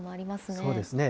そうですね。